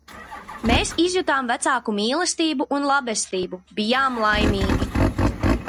Mēs izjutām vecāku mīlestību un labestību, bijām laimīgi.